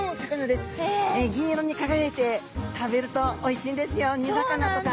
銀色に輝いて食べるとおいしいんですよ煮魚とか。